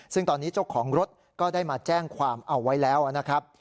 ซึ่งตอนนี้เจ้าของรถก็ได้มาแจ้งความเอาไว้แล้วนะครับ